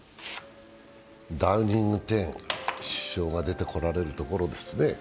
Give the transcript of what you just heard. ダーニング１０、首相が出てこられるところですね。